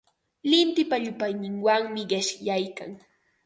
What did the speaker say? Lintipa llupayninwanmi qishyaykan.